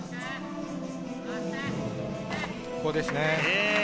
ここですね。